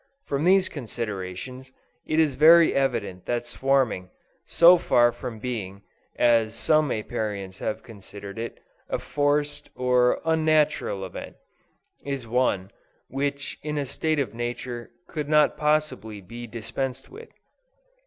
From these considerations, it is very evident that swarming, so far from being, as some Apiarians have considered it, a forced or unnatural event, is one, which in a state of nature, could not possibly be dispensed with.